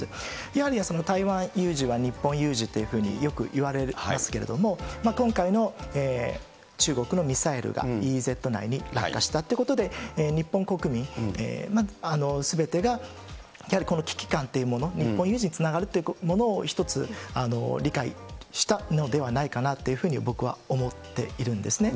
やはり、台湾有事は日本有事っていうふうに、よくいわれますけれども、今回の中国のミサイルがＥＥＺ内に落下したということで、日本国民すべてがやはり危機感というもの、日本有事につながるというものを、一つ理解したのではないかなというふうに、僕は思っているんですね。